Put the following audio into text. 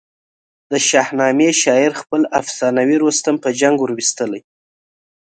د شاهنامې شاعر خپل افسانوي رستم په جنګ وروستلی.